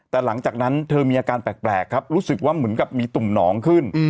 แต่หลังจากนั้นเธอมีอาการแปลกครับรู้สึกว่าเหมือนกับมีตุ่มหนองขึ้น